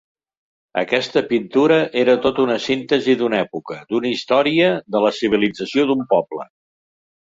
Aquesta pintura era tota una síntesi d'una època, d'una història, de la civilització d'un poble.